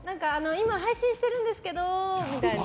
今、配信してるんですけどみたいな。